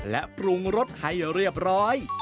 และปรุงรสให้เรียบร้อย